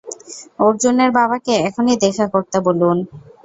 অর্জুনের বাবাকে এখনই দেখা করতে বলুন।